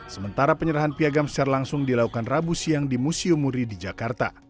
sementara penyerahan piagam secara langsung dilakukan rabu siang di museum muri di jakarta